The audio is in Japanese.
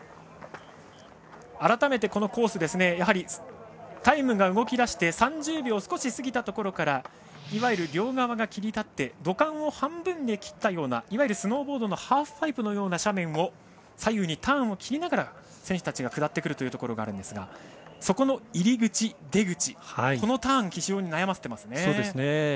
改めて、このコースタイムが動き出して３０秒少し過ぎたところからいわゆる両側が切り立って土管を半分に切ったようないわゆるスノーボードのハーフパイプのような斜面を左右にターンを切りながら選手たちが下ってくるところがあるんですがそこの入り口、出口のターンが非常に悩ませていますね。